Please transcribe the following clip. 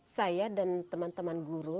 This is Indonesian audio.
saya dan teman teman guru